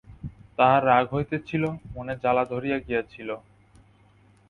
তাহার রাগ হইতেছিল, মনে জ্বালা ধরিয়া গিয়াছিল।